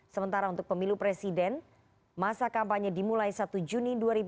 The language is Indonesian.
sementara untuk pemilu presiden masa kampanye dimulai satu juni dua ribu dua puluh